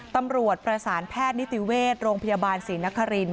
ตำรวจประสานแพทย์นิติเวชโรงพยาบาลศรีนคริน